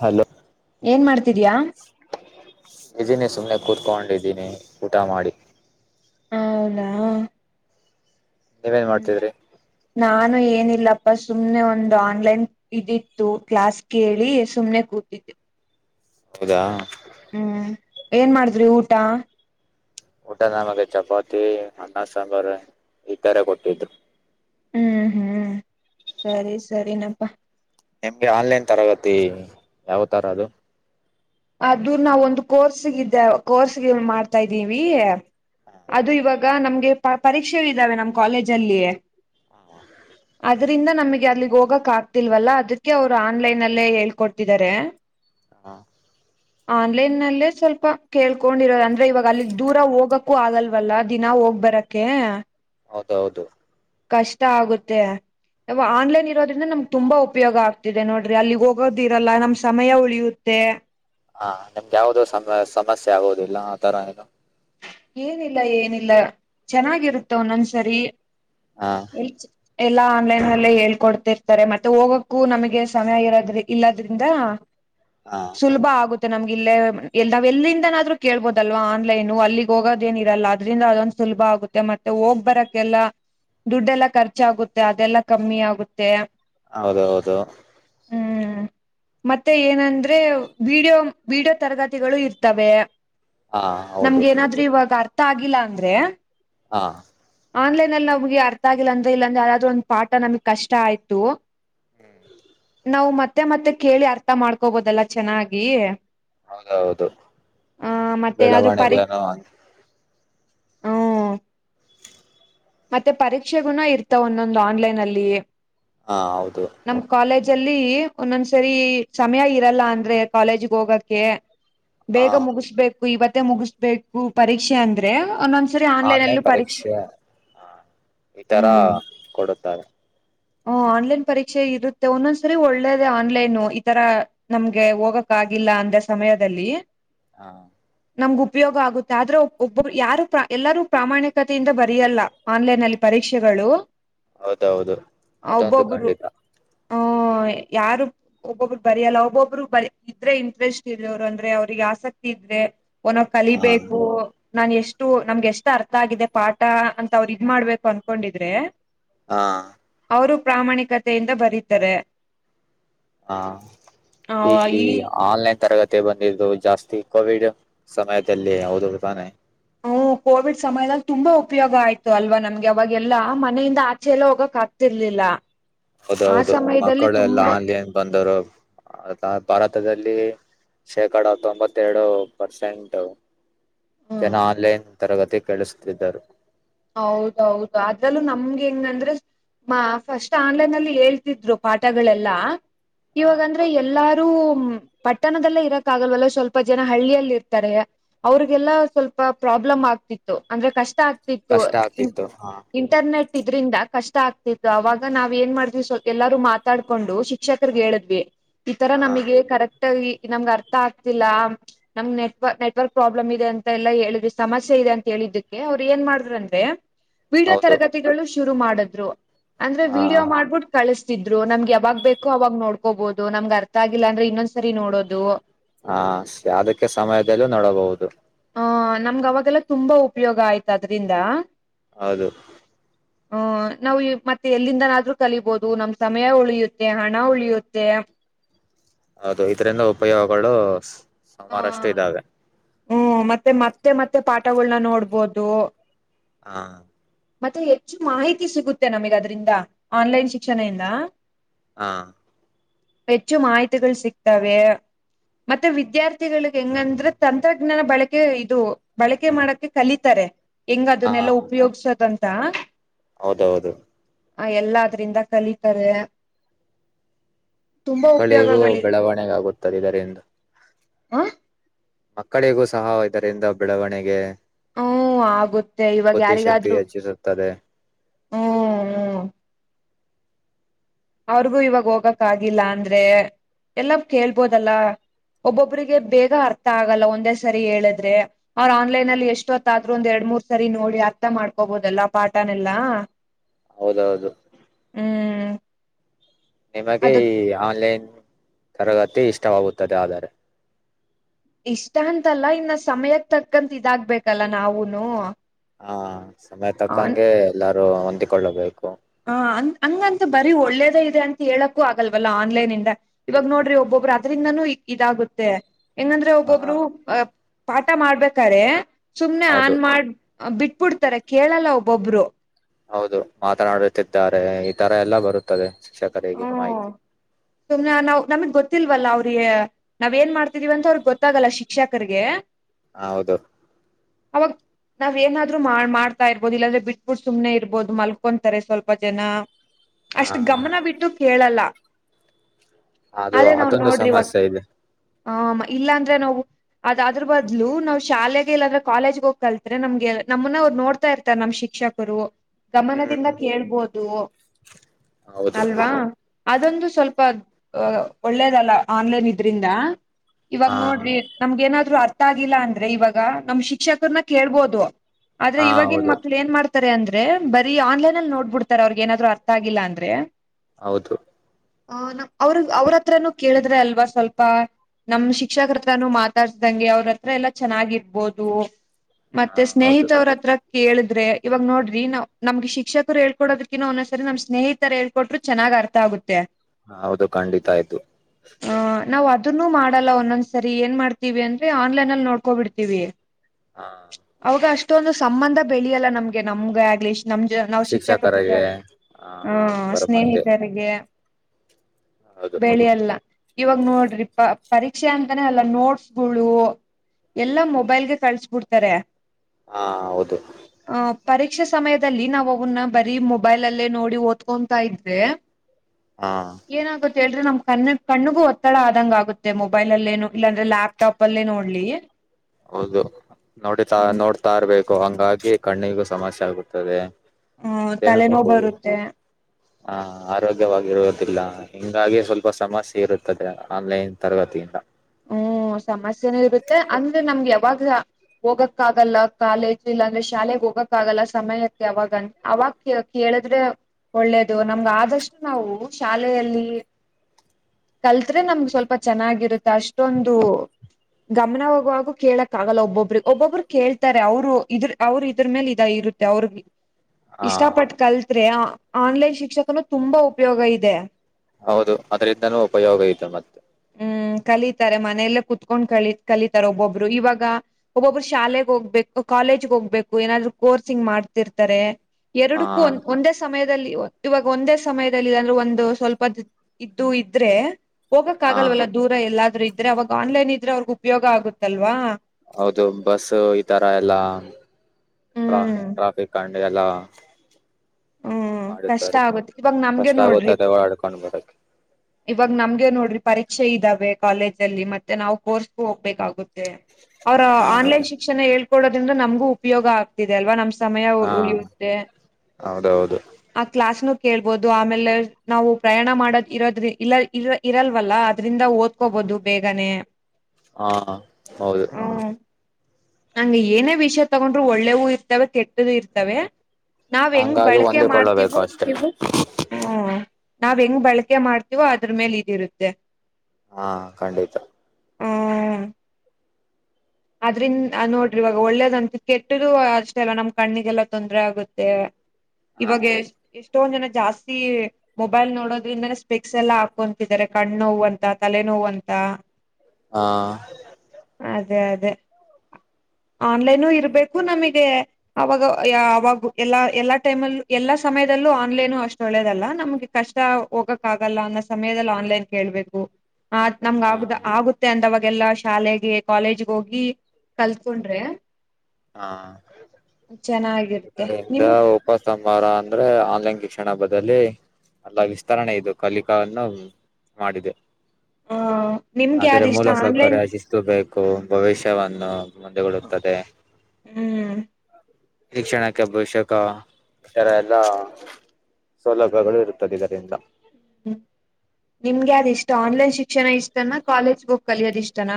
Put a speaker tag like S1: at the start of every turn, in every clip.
S1: Hello.
S2: ಏನ್ ಮಾಡ್ ತಿದ್ಯಾ.
S1: ಇದ್ದೀನಿ ಸುಮ್ನೆ ಕೂತ್ಕೊಂಡಿದ್ದೀನಿ ಊಟ ಮಾಡಿ.
S2: ಹೌದಾ.
S1: ನೀವೇನ್
S2: ಹ್ಮ್
S1: ಮಾಡ್ತಿದ್ರಿ.
S2: ನಾನು ಏನಿಲ್ಲಪ್ಪ ಸುಮ್ನೆ ಒಂದು ಆನ್ಲೈನ್ ಇದಿತ್ತು ಕ್ಲಾಸ್ ಕೇಳಿ ಸುಮ್ನೆ ಕೂತಿದೆ.
S1: ಹೌದಾ.
S2: ಹ್ಮ್ ಏನ್ ಮಾಡುದ್ರಿ ಊಟ.
S1: ಊಟ ನಮಗ ಚಪಾತಿ ಅನ್ನ ಸಾಂಬಾರು ಈಥರ ಕೊಟ್ಟಿದ್ರು.
S2: ಹ್ಮ್ ಹ್ಮ್ ಸರಿ ಸರಿನಪ್ಪ.
S1: ನಿಮ್ಗೆ ಆನ್ಲೈನ್ ತರಗತಿ ಯಾವ್ ತರ ಅದು.
S2: ಅದು ನಾವ್ ಒಂದು ಕೋರ್ಸ್ಗ ಇಡೆ ಕೋರ್ಸ್ಗೆ ಮಾಡ್ತಾದೀವಿ. ಅದು ಇವಾಗ್ ಗ ನಮ್ಗೆ ಪ ಪರೀಕ್ಷೆ ಇದ್ದಾವೆ ನಮ್ ಕಾಲೇಜ್ ಅಲ್ಲಿ. ಅ ಅದ್ರಿಂದ ನಮಿಗೆ ಅಲ್ಲಿಗ್ ಹೋಗಕ್ ಆಗ್ತಿಲ್ವಲ್ಲ ಅದಕ್ಕೆ ಅವ್ರು ಆನ್ಲೈನ್ ಅಲ್ಲೇ ಹೇಳ್ಕೊಡ್ತಿದ್ದಾರೆ.
S1: ಹಾ
S2: ಆನ್ಲೈನ್ಲ್ಲೇ ಸ್ವಲ್ಪ ಕೇಳ್ಕೊಂಡಿರೋದ್ ಅಂದ್ರೆ ಇವಾಗ್ ಅಲ್ಲಿ ದೂರ ಹೋಗಕ್ಕೂ ಆಗಲ್ವಲ್ಲ ದಿನ ಹೋಗ್ ಬರಕೆ.
S1: ಹೌದೌದು.
S2: ಕಷ್ಟ ಆಗುತ್ತೆ ನಾವ್ ಆನ್ಲೈನ್ ಇರೋದ್ರಿಂದ ನಮ್ಗ್ ತುಂಬಾ ಉಪ್ಯೋಗ ಆಗ್ತಿದೆ ನೋಡ್ರಿ ಅಲ್ಲಿಗ್ ಹೋಗೋದಿ ಇರಲ್ಲ ನಮ್ ಸಮಯ ಉಳಿಯುತ್ತೆ.
S1: ಹಾ ನಿಮ್ದ ಯಾವುದೋ ಸಮ ಸಮಸ್ಯೆ ಯಾವುದು ಇಲ್ಲ ಆ ತರ ಏನು.
S2: ಏನಿಲ್ಲ ಏನಿಲ್ಲ ಚೆನ್ನಾಗಿರುತ್ತೆ ಒನ್ನೊಂದ್ ಸಾರಿ.
S1: ಹ
S2: ಎಲ್ಚ್ ಎಲ್ಲಾ ಆನ್ಲೈನ್ಲ್ಲೇ ಹೇಳ್ಕೊಡ್ತಿರ್ತಾರೆ ಮತ್ತೆ ಹೋಗಕ್ಕೂ ನಮಿಗೆ ಸಮಯ ಇರೋದ್ ಇಲ್ಲದ್ರಿಂದ
S1: ಹ
S2: ಸುಳ್ಭ ಆಗುತ್ ತ ನಮ್ಗ ಇಲ್ಲೆ ನಾವ್ ಎಲ್ಲಿಂದನಾದ್ರು ಕೇಳ್ಬೋದಲ್ವಾ ಆನ್ಲೈನು ಅಲ್ಲಿ ಗೋಗೋದ್ ಏನ ಇರಲ್ಲ ಅದ್ರಿಂದ ಅದೊಂದು ಸುಲ್ಭ ಆಗುತ್ತೆ ಮತ್ತೆ ಹೋಗ್ ಬರಕ್ಕೆಲ್ಲ ದುಡ್ಡೆ ಎಲ್ಲಾ ಖರ್ಚಾಗುತ್ತೆ ಅದೆಲ್ಲಾ ಕಮ್ಮಿ ಆಗುತ್ತೆ.
S1: ಹೌದು ಹೌದು.
S2: ಹ್ಮ್ ಮತ್ತೆ ಏನಂದ್ರೆ ವಿಡಿಯೋ ವಿಡಿಯೋ ತರ್ಗತಿಗಳು ಇರ್ತವೆ.
S1: ಹಾ ಹೌದು.
S2: ನಮ್ಗೆ ಏನಾದ್ರು ಇವಾಗ ಅರ್ಥ ಆಗಿಲ್ಲ ಅಂದ್ರೆ.
S1: ಹಾ
S2: ಆನ್ಲೈನ್ ಅಲ್ ನವ್ಗೆ ಅರ್ಥ ಆಗಿಲ್ಲ ಅಂದ್ರೆ ಇಲ್ಲಾಂದ್ರೆ ಯಾವಾದ್ರರು ಒಂದ್ ಪಾಠ ನಮಗ್ ಕಷ್ಟ ಆಯ್ತು.
S1: ಹ್ಮ್
S2: ನಾವು ಮತ್ತೆ ಮತ್ತೆ ಕೇಳಿ ಅರ್ಥ ಮಾಡ್ಕೊಬೋದಲ್ಲ ಚೆನ್ನಾಗಿ
S1: ಹೌದೌದು
S2: ಆ ಮತ್ತೆ ಏನಾದ್ರು ಪರಿ
S1: ಬೆಳವಣಿಗೆನೋ
S2: ಹ್ಮ್ ಮತ್ತೆ ಪರೀಕ್ಷೆಗುನ ಇರ್ತ ಒನೊಂದ್ ಆನ್ಲೈನ್ ಅಲ್ಲಿ
S1: ಹಾ ಹೌದು
S2: ನಮ್ ಕಾಲೇಜ್ ಅಲ್ಲಿ ಒಂದೊಂದ್ಸರಿ ಸಮಯ ಇರಲ್ಲ ಅಂದ್ರೆ ಕಾಲೇಜಿಗೆ ಹೋಗಕೆ ಬೇಗ
S1: ಹ
S2: ಮುಗಿಸ್ಬೇಕ್ ಇವತ್ತೇ ಮುಗಿಸ್ಬೇಕು ಪರೀಕ್ಷೆ ಅಂದ್ರೆ ಒಂದೊಂದ ಇದ್ರೆ ಆನ್ಲೈನಲ್ಲು ಪರೀಕ್ಷೆ
S1: ಹ ಈ ತರ
S2: ಹ್ಮ್
S1: ಕೊಡುತ್ತಾರೆ
S2: ಹ ಆನ್ಲೈನ್ ಪರೀಕ್ಷೆ ಇರುತ್ತೆ ಒಂದೊಂದ್ಸರಿ ಒಳ್ಳೇದ ಆನ್ಲೈನು ಈತರ ನಮ್ಗೆ ಹೋಗಕ್ ಆಗಿಲ್ಲ ಅಂದ ಸಮಯದಲ್ಲಿ
S1: ಹಾ
S2: ನಮ್ಗೆ ಉಪಯೋಗ ಆಗುತ್ತೆ ಆದ್ರೆ ಒಬ್ಬರು ಯಾರು ಎಲ್ಲರೂ ಪ್ರಾಮಾಣಿಕತೆಯಿಂದ ಬರ್ ಸರಿಯಲ್ಲ ಆನ್ಲೈನ್ ಅಲ್ಲಿ ಪರೀಕ್ಷೆಗಳು
S1: ಹೌದೌದು ಅದಂತೂ ಖಂಡಿತ
S2: ಹ ಯಾರು ಒಬ್ಬೊಬ್ರ ಬರಿಯಲ್ಲ ಒಬ್ಬೊಬರು ಬರಿ ಇದ್ರೆ ಇಂಟ್ರೆಸ್ಟ್ ಇರೋರು ಅಂದ್ರೆ ಅವ್ರಿಗೆ ಆಸಕ್ತಿ ಇದ್ರೆ ಓ ನನ್
S1: ಹಾ
S2: ಕಲಿಬೇಕು ನಾನ ಎಷ್ಟು ನಮ್ಗೆ ಎಷ್ಟು ಅರ್ಥ ಆಗಿದೆ ಪಾಠ ಅಂತ ಅಂತ ಅವರು ಇದ್ ಮಾಡ್ಬೇಕು ಅನ್ಕೊಂಡಿದ್ರೆ
S1: ಹಾ
S2: ಅವರು ಪ್ರಾಮಾಣಿಕತೆಯಿಂದ ಬರಿತಾರೆ
S1: ಹಾ ಈ ಆನ್ಲೈನ್ ತರಗತಿ ಮತ್ತೆ ಬಂದಿದ್ದು ಜಾಸ್ತಿ ಕೋವಿಡ್ ಸಮಯದಲ್ಲಿ ಹೌದು ತಾನೆ.
S2: ಹ್ಮ ಕೋವಿಡ್ ಸಮಯದಲ್ಲಿ ತುಂಬಾ ಉಪಯೋಗ ಆಯ್ತು ಅಲ್ವಾ ನಮ್ಗೆ ಅವಾಗೆಲ್ಲಾ ಮನೆಯಿಂದ ಆಚೆಲ್ಲ ಹೋಗಕ್ ಆಗ್ತಿರ್ಲಿಲ್ಲ ಆ
S1: ಹೌದೌದು
S2: ಸಮಯದಲ್ಲಿ
S1: ಮಕ್ಕಳೆಲ್ಲ
S2: ತುಂಬಾ
S1: ಆನ್ಲೈನ್ ಬಂದರು ಬರ ಮತದಲ್ಲಿ ಶೇಕಡ ತೊಂಬತ್ತೆರಡು ಪರ್ಸೆಂಟ್
S2: ಹ್ಮ್
S1: ಜನ ಆನ್ಲೈನ್ ತರಗತಿ ಕೇಳಿಸುತ್ತಿದ್ದರು
S2: ಹೌದೌದು ಅದ್ರಲ್ಲೂ ನಮ್ಗೆ ಹೆಂಗಂದ್ರೆ ಮಾ ಫಸ್ಟ್ ಆನ್ಲೈನ್ ಅಲ್ಲಿ ಹೇಳ್ತಿದ್ರು ಪಾಠಗಳೆಲ್ಲ
S1: ಹ
S2: ಇವಾಗಂದ್ರೆ ಎಲ್ಲಾರು ಪಟ್ಟಣದಲ್ಲೇ ಇರಕ ಆಲ್ವಲ್ಲ ಸ್ವಲ್ಪ ಜನ ಹಳ್ಳಿಯಲ್ಲಿ ಇರ್ತಾರೆ ಅವ್ರಿಗೆಲ್ಲ ಸ್ವಲ್ಪ ಪ್ರಾಬ್ಲಮ್ ಆಗ್ತಿತ್ತು ಅಂದ್ರೆ ಕಷ್ಟ ಆಗ್ತಿತ್ತು ತು
S1: ಕಷ್ಟ
S2: ಇನ್
S1: ಆಗ್ತಿತ್ತು ಹ
S2: ಇಂಟರ್ನೆಟ್ ಇದ್ರಿಂದ ಕಷ್ಟ ಆಗ್ತಿತ್ತು ಅವಾಗ ನಾವ್ ಏನ್ ಮಾಡ್ವಿ ಸ್ವಲ್ ಎಲ್ಲಾರೂ ಮಾತಾಡ್ಕೊಂಡು ಶಿಕ್ಷಕರ್ಗ್ ಹೇಳಿದ್ವಿ ಈ ತರ
S1: ಹಾ
S2: ನಮಗೆ ಕರೆಕ್ಟ್ ನಮ್ಗೆ ಅರ್ಥ ಆಗ್ತಿಲ್ಲ ನಮ್ ನೆಟ್ ನೆಟ್ವರ್ಕ್ ಪ್ರಾಬ್ಲಮ್ ಇದೆ ಅಂತ ಎಲ್ಲಾ ಹೇಳಿದ ಸಮಸ್ಯೆ ಇದೆ ಅಂತ ಹೇಳಿದ್ದಕ್ಕೆ ಅವ್ರ ಏನ್ ಮಾಡ್ ದ್ರಂತೆ ವಿಡಿಯೋ
S1: ಹೌದು
S2: ತರಗತಿಗಳು ಶು ಶುರು ಮಾಡುದ್ರು. ಅಂದ್ರೆ
S1: ಹಾ
S2: ವಿಡಿಯೋ ಮಾಡ್ಬುಟ್ ಕಳಸ್ ತಿದ್ದಿದ್ರು ನಮ್ಗ್ ಯಾವಾಗ್ ಬೇಕೋ ಅವಾಗ್ ನೋಡ್ಕೋಬೊದು ನಮ್ಗ್ ಅರ್ಥ ಆಗಿಲ್ಲ ಅಂದ್ರೆ ಇನ್ನೊಂದ್ ಸರಿ ನೋಡೋದು.
S1: ಹಾ ಸ್ಯ ಅದಿಕ್ಕೆ ಸಮಯದಲ್ಲೂ ನೋಡಬಹುದು.
S2: ಆ ನಮ್ಗೆ ಅವಾಗೆಲ್ಲ ತುಂಬಾ ಉಪ್ಯೋಗ ಆಯ್ತು ಅದ್ರಿಂದ.
S1: ಹೌದು.
S2: ಹ್ಮ ನಾವ್ ಮತ್ತೆ ಎಲ್ಲಿಂದನಾದ್ರೂ ಕಲಿಬೋದು ನಮ್ ಸಮಯ ಉಳ್ಯುತ್ತೆ ಹಣ ಉಳ್ಯುತ್ತೆ.
S1: ಹೌದು ಇದ್ರಿಂದ ಉಪ್ಯೋಗ್ಗಳು ಸ್.
S2: ಹಾ ಹ್ಮ್ ಮತ್ತೆ ಮತ್ ಮತ್ತೆ ಮತ್ತೆ ಪಾಠಗಳನ್ನ ನೋಡ್ಬೋದು.
S1: ಹಾ
S2: ಮತ್ತೆ ಹೆಚ್ಚು ಮಾಹಿತಿ ಸಿಗುತ್ತೆ ನಮಿಗ್ ಅದ್ರಿಂದ ಆನ್ಲೈನ್ ಶಿಕ್ಷಣೆಯಿಂದ.
S1: ಹಾ
S2: ಹೆಚ್ಚು ಮಾಹಿತಿಗುಳ್ ಸಿಗ್ತವೆ ಮತ್ತೆ ವಿದ್ಯಾರ್ಥಿ ತಿಗಳಿಗ್ ಹೆಂಗಂದ್ರೆ ತಂತ್ರಜ್ಞಾನ ಬಳಕೆ ಇದು ಬಳಕೆ ಮಾಡಕೆ ಕಲಿತಾರೆ. ಹೆಂಗ್
S1: ಹಾ
S2: ಅದುನ್ನೆಲ್ಲಾ ಉಪ್ಯೋಗ್ಸೋದಂತ್ ತಾ.
S1: ಹೌದೌದು.
S2: ಆ ಎಲ್ಲಾದ್ರಿಂದ ಕಲಿತಾರೆ. ತುಂಬಾ
S1: ಮಕ್ಕಳಿಗೂ
S2: ಉಪಯೋಗಗಳಿದೆ
S1: ಬೆಳವಣಿಗೆ ಆಗುತ್ತದೆ ಇದರಿಂದ.
S2: ಹ
S1: ಮಕ್ಕಳಿಗೂ ಸಹ ಇದರಿಂದ ಬೆಳವಣಿಗೆ.
S2: ಹ್ಮ ಆಗುತ್ತೆ ಇವಾಗ್
S1: ಬುದ್ಧಿಶಕ್ತಿ
S2: ಯಾರಿಗಾದ್ರು.
S1: ಹೆಚ್ಚಿಸುತ್ತದೆ
S2: ಹ್ಮ್ ಹ್ಮ್. ಅವ್ರಗೂ ಇವಾಗ್ ಹೋಗಕ್ ಆಗಿಲ್ಲ ಅಂದ್ರೆ ಎಲ್ಲ ಕೇಳ್ಬೋದಲ್ಲ ಒಬ್ಬೊಬ್ರಿಗೆ ಬೇಗ ಅರ್ಥ ಆಗಲ್ಲ ಒಂದೇ ಸರಿ ಹೇಳಿದ್ರೆ ಅವ್ರ ಆನ್ಲೈನ್ ಅಲ್ಲಿ ಎಷ್ಟೊತ್ತಾದ್ರೂ ಒಂದ್ ಎರಡ್ ಮೂರ್ ಸರಿ ನೋಡಿ ಅರ್ಥ ಮಾಡ್ಕೊಬೋದಲ್ಲ ಪಾಠನೆಲ್ಲಾ.
S1: ಹೌದೌದು.
S2: ಹ್ಮ್
S1: ನಿಮಗೆ
S2: ಅದು
S1: ಈ ಆನ್ಲೈನ್. ತರಗತಿ ಇಷ್ಟವಾಗುತ್ತದೆ ಆದರೆ.
S2: ಇಷ್ಟ ಅಂತಲ್ಲ ಇನ್ನ ಸಮಯಕ್ ತಕ್ಕಂತ ಇದಾಗ್ ಬೇಕಲ್ಲ ನಾವೂನು.
S1: ಹಾ ಸಮಯ ತಕ್ಕಂಗೆ ಎಲ್ಲ ರು ಹೊಂದಿಕೊಳ್ಳಬೇಕು.
S2: ಹ ಅಂತ್ ಹಂಗಂತ ಬರೀ ಒಳ್ಳೇದೇ ಇದೆ ಅಂತ ಹೇಳಕ್ಕೂ ಆಗಲ್ವಲ್ಲ ಆನ್ಲೈನ್ ಇಂದ ಇವಾಗ ನೋಡ್ರಿ ಒಬ್ಬೊಬ್ರ ಅದ್ರಿಂದನೂ ಇದಾಗುತ್ತೆ. ಹೆಂಗ್ ಅಂದ್ರೆ
S1: ಹ
S2: ಒಬ್ಬೊಬ್ರು ಅ ಪಾಠ ಮಾಡ್ಬೇಕಾರೆ. ಸುಮ್ನೆ
S1: ಹೌದು
S2: ಆನ್ ಮಾಡ್ ಬಿಟ್ಬುಡ್ತಾರೆ ಕೇಳಲ್ಲ ಒಬ್ಬೊಬ್ರು.
S1: ಹೌದು ಮಾತನಾಡುತ್ತಿದ್ದಾರೆ ಈ ತರ ಎಲ್ಲಾ ಬರುತ್ತದೆ.
S2: ಹ
S1: ಶಿಕ್ಷಕರಿಗೆ ಮಾಹಿತಿ
S2: ಸುಮ್ನೆ ನಾವ್ ನಮಿಗ್ ಗೊತ್ತಿಲ್ ವಲ್ಲ ಅವ್ರಿಗೆ ನಾವ್ ಏನ್ ಮಾಡ್ತಿದೀವಿ ಅಂತ ಅವ್ರಗ್ ಗೊತ್ತಾಗಲ್ಲ ಶಿಕ್ಷಕರ್ರಿಗೆ.
S1: ಹ ಹೌದು.
S2: ಅವಾಗ್ ನಾವ್ ಏನಾದ್ರು ಮಾಡ್ ಮಾಡ್ತಾ ಇರ್ಬೋದು ಇಲ್ಲಾಂದ್ರೆ ಬಿಟ್ಬುಟ್ ಸುಮ್ನೆ ಇರ್ಬೋದು ಮಲ್ಕೊಂತಾರೆ ಸ್ವಲ್ಪ ಜನ. ಅಷ್ಟ್
S1: ಹ
S2: ಗಮನ ಬಿಟ್ ಕೇಳಲ.
S1: ಅದು ಅತ್ತುನ್ನು ಸಮಸ್ಯೆ ಇದೆ.
S2: ಹ ಇಲ್ಲಾಂದ್ರೆ ನಾವು ಅಡ್ ಅದ್ರು ಬದ್ಲು ನಾವ್ ಶಾಲೆಗೆ ಇಲ್ಲಾಂದ್ರೆ ಕಾಲೇಜ್ಗೆ ಹೋಗ್ ಕಲ್ತ್ರೆ ನಮ್ಗೆ ನಮ್ಮನ್ನ ಅವ್ರು ನೋಡ್ತಾ ಇರ್ತಾರ ನಮ್ ಶಿಕ್ಷಕರು.
S1: ಹ್ಮ್
S2: ಗಮನದಿಂದ ಕೇಳ್ಬೋದು.
S1: ಹೌದು
S2: ಅಲ್ವಾ ಅದೊಂದು ಸ್ವಲ್ಪ. ಹ ಒಳ್ಳೇದಲ್ಲ ಆನ್ಲೈನ್ ಇದ್ರಿಂದ. ಇವಾಗ್
S1: ಹಾ
S2: ನೋಡ್ರಿ ನಮ್ಗ್ ಏನಾದ್ರು ಅರ್ತ್ ತ್ತಾಗಿಲ್ಲ ಅಂದ್ರೆ ಇವಾಗ ನಮ್ ಶಿಕ್ಷಕರನ್ನ ಕೇಳ್ಬೋದು. ಆದ್ರೆ
S1: ಹಾ
S2: ಇವಾಗಿನ್
S1: ಹೌದು
S2: ಮಕ್ಳ್ ಏನ್ ಮಾಡ್ ಅಂದ್ರೆ ಬರೀ ಆನ್ಲೈನ್ ಅಲ್ ನೋಡ್ಬಿಡ್ತಾರೆ ಅವ್ರಿಗ್ ಏನಾದ್ರು ಅರ್ಥ ಆಗಿಲ್ಲ ಅಂದ್ರೆ.
S1: ಹೌದು.
S2: ಅ ನಮ್ ಅವ್ರ್ ಅವ್ರತ್ರನು ಕೇಳುದ್ರೆ ಅಲ್ವಾ ಸ್ವಲ್ಪ ನಮ್ ಶಿಕ್ಷಕರ್ ಹತ್ರಾನೂ ಮಾತಾಡ್ಸ್ದಂಗೆ ಅವ್ರ್ ಹತ್ರ ಎಲ್ಲಾ ಚೆನ್ನಾಗಿರ್ಬೋದು.
S1: ಹಾ
S2: ಮತ್ತೆ
S1: ಹೌದು
S2: ಸ್ನೇಹಿತೊವ್ರ್ ಹತ್ರ. ಕೇಳುದ್ರೆ ಇವಾಗ್ ನೋಡ್ರಿ ನಾವ್ ನಮ್ಗ್ ಶಿಕ್ಷಕ್ರು ಹೇಳ್ ಕೊಡದಕ್ಕಿನ್ನ ಒಂನಾನ್ಸರಿ ನಮ್ ಸ್ನೇಹಿತ್ ತರ್ ಹೇಳ್ ಕೊಟ್ರು ಚೆನ್ನಾಗ್ ಅರ್ಥ ಆಗುತ್ತೆ.
S1: ಹ ಹೌದು ಖಂಡಿತ ಆಯ್ತು.
S2: ಅ ನಾವ್ ಅದುನ್ನು ಮಾಡಲ್ಲ ಒಂದೊಂದ್ಸರಿ ಏನ್ ಮಾಡ್ತೀವಿ ಅಂದ್ರೆ ಆನ್ಲೈನ್ ಅಲ್ ನೋಡ್ಕೋಬಿಡ್ತೀವಿ.
S1: ಹಾ
S2: ಇಷ್ಟೊಂದು ಸಂಬಂಧ ಬೆಳ್ಯಲ್ಲ ನಮ್ಗೆ ನಮ್ಗೆ ಆಗ್ಲಿ ಇಷ್ ನಮ್ ಜ ನಾವ್ ಶಿಕ್ಷಕರ್ ಜೊತೆ
S1: ಶಿಕ್ಷಕರಿಗೆ
S2: ಹ
S1: ಅವರ
S2: ಅಷ್
S1: ಮಧ್ಯೆ
S2: ಇತರಿಗೆ. ಯ.
S1: ಹೌದು
S2: ಬೆಳಿಯಲ್ಲ ಇವಾಗ್ ನೋಡ್ರಿ ಪ ಪರೀಕ್ಷೆ ಅಂತಾನೆ ಅಲ್ಲ ನೋಟ್ಸ್ಗುಳು ಎಲ್ಲಾ ಮೊಬೈಲ್ಗೆ ಕಳ್ಸ್ಬಿಡ್ತಾರೆ.
S1: ಹಾ ಹೌದು.
S2: ಆ ಪರೀಕ್ಷೆ ಸಮಯದಲ್ಲಿ ನಾವ್ ಅವುನ್ನ ಬರೀ ಮೊಬೈಲ್ ಅಲ್ಲೇ ನೋಡಿ ಓದ್ಕೊಂಡ್ ತ ಇದ್ರೆ.
S1: ಹಾ
S2: ಕೇಳ್ರೆ ನಮ್ ಕಣ್ ಕಣ್ಣಗೂ ಒತ್ತಡ ಆದಂಗ್ ಆಗುತ್ತೆ ಮೊಬೈಲ್ ಅಲ್ಲೇನು ಇಲ್ಲಾಂದ್ರೆ ಲ್ಯಾಪ್ಟಾಪ್ ಅಲ್ಲೇ ನೋಡ್ಲಿ.
S1: ಹೌದು. ನೋಡಿ ತಾ
S2: ಹ್ಮ
S1: ನೋಡ್ತಾ ಇರ್ಬೇಕ್. ಹಂಗಾಗಿ ಕಣ್ಣಿಗೂ ಸಮಸ್ಯೆ ಆಗುತ್ತದೆ
S2: ಹ್ಮ ತಲೆನೋ ಬರುತ್ತೆ
S1: ಹಾ ಆರೋಗ್ಯವಾಗಿರುವುದಿಲ್ಲ ಹಿಂಗಾಗಿ ಸ್ವಲ್ಪ ಸಮಸ್ಯೆ ಇರುತ್ತದೆ ಆನ್ಲೈನ್ ತರಗತಿಯಿಂದ
S2: ಹ್ಮ್ ಸಮಸ್ಯೆನ ಇರುತ್ತೆ ಅಂದ್ರೆ ನಮ್ಗೆ ಯಾವಾಗ ಹೋಗಕ್ಕ ಆಗಲ್ಲ ಕಾಲೇಜ್ ಇಲ್ಲಾ ಅಂದ್ರೆ ಶಾಲೆಗೆ ಹೋಗಕ್ ಆಗಲ್ಲ ಸಮಯಕ್ಕೆ ಯಾವಾಗ ಅವಾಗ ಕೇಳಿದ್ರೆ ಒಳ್ಳೇದು ನಮ್ಗ ಆದಷ್ಟು ನಾವು ಶಾಲೆಯಲ್ಲಿ ಕತ್ರೆ ನಮ್ಗೆ ಸ್ವಲ್ಪ ಚೆನ್ನಾಗಿರುತ್ತೆ ಅಷ್ ಅಷ್ಟೊಂದು ಗಮನ ಹೋಗುವಾಗೂ ಕೇಳಕ್ ಆಗಲ್ಲ ಒಬ್ಬೊಬ್ರಿಗೆ ಒಬ್ಬೊಬ್ರು ಕೇಳ್ತಾರೆ ಅವರು ಇದ್ರ ಅವರು ಇದ್ರ ಮೇಲೆ ಇದ ಇರುತ್ತೆ ಅವ್ರ
S1: ಹಾ
S2: ಇಷ್ಟಪಟ್ ಕತ್ರೆ ಆನ್ಲೈನ್ ಶಿಕ್ಷಕನುೂ ತುಂಬಾ ಉಪಯೋಗ ಇದೆ
S1: ಹೌದು ಅದ್ರಿಂದನೂ ಉಪಯೋಗ ಇದು ಮತ್ತೆ
S2: ಕಲಿತ್ ತರೆ ಮನೆಯಲ್ಲೇ ಕುೂತ್ಕೊಂಡ್ ಕ ಕಲಿತಾರೆ ಒಬ್ಬೊಬ್ರು ಇವಾಗ ಒಬ್ಬೊಬ್ರು ಶಾಲೆೆಗೆ ಹೋಗ್ಬೇಕು ಕಾಲೇಜ್ಗೆ ಹೋಗ್ಬೇಕು ಏನಾದ್ರು ಕೋರ್ಸಿಂಗ್ ಮಾಡ್ತಿರ್ತಾರೆ
S1: ಹಾ
S2: ಎರಡಕ್ಕೂ ಒಂದ ಒಂದೇ ಸಮಯದಲ್ಲಿ ಇವಾಗ ಒಂದೇ ಸಮಯದಲ್ಲಿ ಾದ್ರೂ ಒಂದು ಸ್ವಲ್ಪ ಇದು ಇದ್ರೆ ಹೋಗಕ್ಕ
S1: ಹಾ
S2: ಆಗಲ್ವಲ್ಲ ದೂರ ಎಲ್ಲ ಇದ್ರೆ ಅವಾಗ ಆನ್ಲೈನ್ ಇದ್ರೆ ಅವ್ರಗ್ ಉಪಯೋಗ ಆಗುತ್ತಲ್ವಾ
S1: ಹೌದು ಬಸ್ ಈ ತರ ಎಲ್ಲಾ ಟ್ರಾಫ್
S2: ಹ್ಮ್
S1: ಟ್ರಾಫಿಕಂಡ ಯಲ್ಲಾ
S2: ಹ್ಮ್ ಕಷ್ಟ
S1: ಮಾಡತಾರೆ
S2: ಆಗುತ್ತೆ ಇವಾಗ ನಮ್ಗೆ
S1: ಕಷ್ಟ ಆಗುತ್ತ
S2: ನೋಡ್ರಿ
S1: ಅದ ಓಾಡ್ಕೊಂಡ್ ಬರಕ
S2: ಇವಾಗ ನಮ್ಗೆ ನೋಡ್ರಿ ಪರೀಕ್ಷೆ ಇದ್ದಾವೆ ಕಾಲೇಜ ಅಲ್ಲಿ ಮತ್ತೆ ನಾವು ಕೋರ್ಸ್ಗೂ ಹೋಗ್ಬೇಕಾಗುತ್ ತೆ ಅವರ
S1: ಹಾ
S2: ಆನ್ಲೈನ್ ಶಿಕ್ಷಣ ಹೇ ಕೊಡೋದ್ರ ನಮಗೂ ಉಪಯೋಗ ಆಗ್ತಿದೆ ಅಲ್ವಾ ನಮ್ ಸಮಯ
S1: ಹಾ
S2: ಉಳಿಯುತ್ತೆ
S1: ಹೌದೌದು
S2: ಆ ಕ್ಲಾಸ್ ನು ಕೇಳ್ಬೋದು ಆಮೇಲೆ ನಾವು ಪ್ರಯಾಣ ಮಾಡದ್ ಇರೋದ್ರಿ ಇಲ್ಲ ಇ ಇರಲ್ವಲ್ಲ ಅದ್ರಿಂದ ಓದ್ಕೋಬಹುದು ಬೇಗನೆ
S1: ಹಾ ಹೌದು
S2: ಹ್ಮ್ ಹಂಗ ಏನೇ ವಿಷಯ ತಗೊಂಡ್ರು ಒಳ್ಳೇವೂ ಇರ್ತವೆ ಕೆಟ್ಟ್ದು ಇರ್ತವೆ ನಾವ್ ಹೆಂಗ್
S1: ಹಂಗಾಗಿ
S2: ಬಳಕೆ
S1: ಹೊಂದಿಕೊಳ್ಳಬೇಕು
S2: ಮಾಡ್ತೀವೊ
S1: ಅಷ್ಟೇ
S2: ಹ್ಮ ನಾವ್ ಹೆಂಗ್ ಬಳಕೆ ಮಾಡ್ ವೊ ಅದ್ರ ಮೇಲೆ ಇದಿರುತ್ತೆ
S1: ಹಾ ಖಂಡಿತ
S2: ಹ್ಮ್ ಅದ್ರಿಂದ ನೋಡ್ರಿ ಇವಾಗ ಒಳ್ಳೇದಂತ ಕೆಟ್ಟ್ದ ಅಷ್ಟೆಲ್ಲ ನಮ್ ಕಣ್ಣಿಗೆಲ್ಲ ತೊಂದ್ರ ಆಗುತ್ತೆ
S1: ಹಾ
S2: ಇವಾಗ ಎಷ್ ಎಷ್ಟೊಂದ್ ಜನ ಜಾಸ್ತಿ ಮೊಬೈಲ್ ನೋಡೋದ್ರೆ ಇಂದ ಸ್ಪೆಕ್ಸ್ ಎಲ್ಲಾ ಹಾಕೊಂತಿದ್ದಾರೆ ಕಣ್ಣು ನೋವ ಅಂತ ತಲೆ ನೋ ಅಂತ
S1: ಹಾ
S2: ಅದೇ ಅದೇ ಆನ್ಲೈನು ಇರ್ಬೇಕು ನಮಗೆ ಅವಾಗ ಅವಾಗ ಎಲ್ಲಾ ಎಲ್ಲಾ ಟೈಮಲ್ಲ ಎಲ್ಲಾ ಸಮಯದಲ್ಲೂ ಆನ್ಲೈನು ಅಷ್ಟು ಒಳ್ಳೇದಲ್ಲ ನಮ್ಗೆ ಕಷ್ಟ ಹೋಗಕ್ ಆಗಲ್ಲ ಅನ್ನ ಸಮಯದಲ್ಲಿ ಆನ್ಲೈನ್ ಕೇೇಳಬೇಕು ಆತ್ ನಮ್ಗ
S1: ಹಾ
S2: ಆಗ ಆಗುತ್ತೆ ಅಂದವಾಗ ಗೆಲ್ಲಾ ಶಾಲೆಗೆ. ಕಾಲೇಜ್ಗಿ ಗೋಗಿ ಕಲ್ತ್ಕೊಂಡ್ರೆ.
S1: ಹಾ
S2: ಚೆನ್ನಾಗಿರುತ್ತೆ
S1: ಇದರಿಂದ
S2: ನಿಮ್
S1: ಉಪ ಸಂಹಾರ ಅಂದ್ರೆ ಆನ್ಲೈನ್ ಶಿಕ್ಷಣ ಬಗ್ ದಲ್ಲೆ ಅಲ್ಲ ವಿಸ್ತರಣೆ ಇದು ಕಲಿಕಾವನ್ನು ಮಾಡಿದೆ.
S2: ಹ ನಿಮ್ಗೆ
S1: ಆದರ
S2: ಯಾವ್ದ್ ಇಷ್ಟ ಆನ್ಲೈನ್
S1: ಮೂಲಸೌಕರ್ಯ ಶಿಸ್ತು ಬೇಕು ಭವಿಷ್ಯವನ್ನು ಮುಂದೆಗುಡುತ್ತದೆ.
S2: ಹ್ಮ್
S1: ಶಿಕ್ಷಣಕ್ಕೆ ಅವಶ್ಯಕ ಇತರ ಎಲ್ಲಾ ಸೌಲಭ್ಯಗಳು ಇರುತ್ತದೆ ಇದರಿಂದ.
S2: ಹ್ಮ್ ನಿಮ್ಗೆ ಯಾವ್ದ್ ಇಷ್ಟ ಆನ್ಲೈನ್ ಶಿಕ್ಷಣ ಇಷ್ಟನಾ ಕಾಲೇಜ್ ಹೋಗ್ ಕಲ್ಯೋದ್ ಇಷ್ಟಾನ.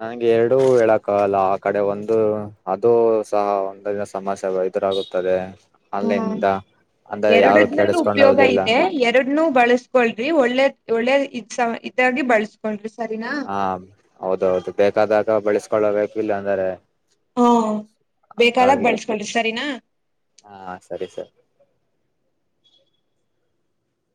S1: ನನ್ಗೆ ಎರಡೂ ಹೇಳಕ್ಕಲ್ಲ ಆ ಕಡೆ ಒಂದು ಅದು ಸಹ ಒಂದಿನ ಸಮಸ್ಯೆ ಎದುರಾಗುತ್ತದೆ.
S2: ಹ್ಮ
S1: ಆನ್ಲೈನ್ಂದ ಅಂದ್ರೆ ಯಾರು
S2: ಎರುಡ್ದನು ಉಪಯೋಗ
S1: ಕೆಡಿಸಕೊಂಡುದಿಲ್ಲ
S2: ಇದೆ ಎರ್ಡನು ಬಳುಸ್ಕೊಳ್ರಿ ಒಳ್ಳೇದ್ ಒಳ್ಳೇದ್ ಇ ಸ ಇದಾಗಿ ಬಳಸ್ಕೊಂಳ್ರಿ.
S1: ಹಾ ಹೌದೌದು ಬೇಕಾದಾಗ ಬಳಸ್ ಕೊಳ್ಳಬೇಕು ಇಲ್ಲ ಅಂದರೆ.
S2: ಹಾ ಬೇಕಾದಾಗ್
S1: ಹಂಗಾಗಿ
S2: ಬೆಳಸ್ಕೊಳ್ರಿ ಸರಿನಾ.
S1: ಹಾ ಸರಿ ಸರಿ